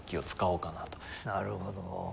なるほど。